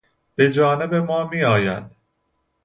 بجانب ما می آید